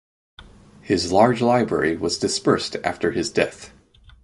His large library was dispersed after his death.